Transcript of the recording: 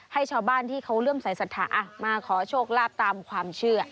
ให้ชาวบ้านที่เขาเริ่มใส่สัทธามาขอโชคลาภตามความเชื่อ